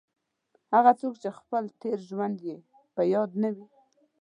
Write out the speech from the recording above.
هغه څوک چې خپل تېر ژوند یې په یاد نه وي.